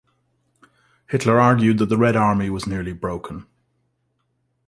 Hitler argued that the Red Army was nearly broken.